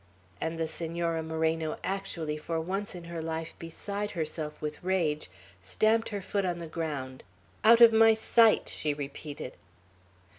And the Senora Moreno actually, for once in her life beside herself with rage, stamped her foot on the ground. "Out of my sight!" she repeated.